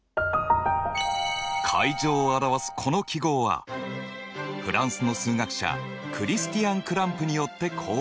階乗を表すこの記号はフランスの数学者クリスティアン・クランプによって考案されました。